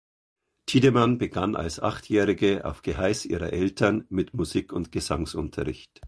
Tiedemann begann als Achtjährige auf Geheiß ihrer Eltern mit Musik- und Gesangsunterricht.